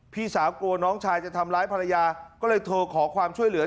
พี่สาวกลัวน้องชายจะทำร้ายภรรยาก็เลยโทรขอความช่วยเหลือ